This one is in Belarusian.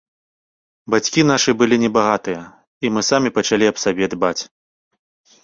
Бацькі нашы былі небагатыя, і мы самі пачалі аб сабе дбаць.